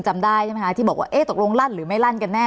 จำได้ใช่ไหมคะที่บอกว่าเอ๊ะตกลงลั่นหรือไม่ลั่นกันแน่